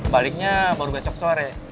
baliknya baru besok sore